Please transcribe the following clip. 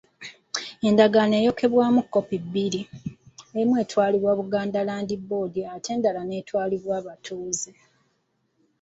Endagaano eyokebwamu kkopi bbiri, emu etwalibwa Buganda Land Board ate endala n’etwalibwa atunze.